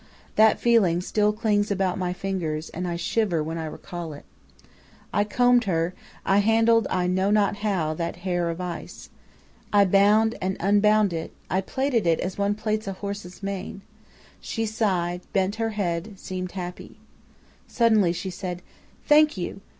"That feeling still clings about my fingers, and I shiver when I recall it. "I combed her, I handled, I know not how, that hair of ice. I bound and unbound it; I plaited it as one plaits a horse's mane. She sighed, bent her head, seemed happy. "Suddenly she said, 'Thank you!'